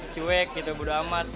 cuek gitu bodoh amat